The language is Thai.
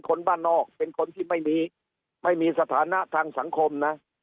คนบ้านนอกเป็นคนที่ไม่มีไม่มีสถานะทางสังคมนะ